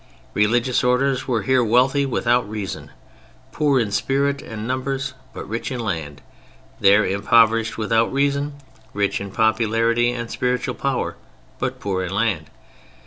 Religious orders were here wealthy without reason—poor in spirit and numbers, but rich in land; there impoverished without reason—rich in popularity and spiritual power, but poor in land.